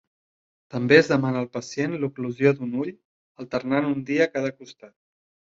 També es demana al pacient l'oclusió d'un ull, alternant un dia cada costat.